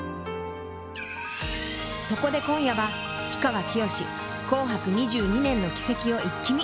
そこで今夜は氷川きよし「紅白」２２年の軌跡をイッキ見！